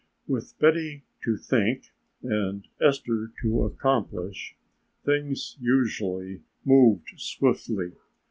With Betty to think and Esther to accomplish, things usually moved swiftly.